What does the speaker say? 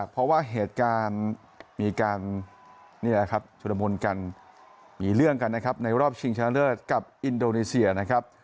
เพราะว่าเหตุการณ์มีเรื่องกันนะครับในรอบชิงชะเลิศกับอินโดนีเซียนะครับ